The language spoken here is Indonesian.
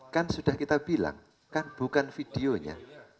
kan sudah kita bilang kan bukan videonya